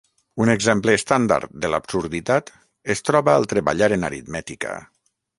Un exemple estàndard de l'absurditat es troba al treballar en aritmètica.